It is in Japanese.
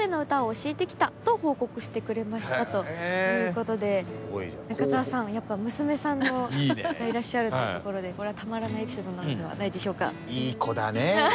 この子にまつわるメッセージでございます。ということで中澤さんやっぱ娘さんがいらっしゃるというところでこれはたまらないエピソードなのではないでしょうか。